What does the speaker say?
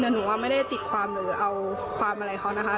แต่หนูว่าไม่ได้ติดความหรือเอาความอะไรเขานะคะ